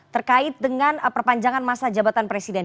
terkait dengan perpanjangan masa jabatan presiden